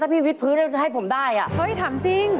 พี่วิทพื้นให้ผมได้อ่ะเฮ้ยถามจริง